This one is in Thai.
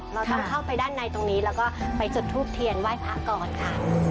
เราต้องเข้าไปด้านในตรงนี้แล้วก็ไปจุดทูบเทียนไหว้พระก่อนค่ะ